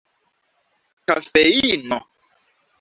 kafeino